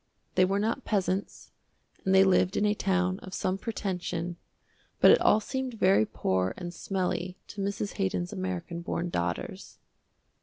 They were not peasants, and they lived in a town of some pretension, but it all seemed very poor and smelly to Mrs. Haydon's american born daughters.